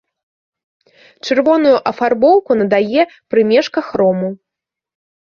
Чырвоную афарбоўку надае прымешка хрому.